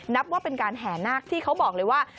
นับว่าเป็นการแห่นาคที่เขาบอกเลยว่า